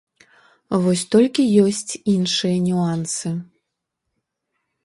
Вось толькі ёсць іншыя нюансы.